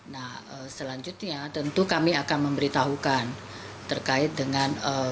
nah selanjutnya tentu kami akan memberitahukan terkait dengan